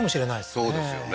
そうですよね